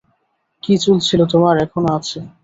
কী চুল ছিল তোমার, এখনো আছে।